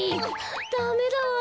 ダメだわ。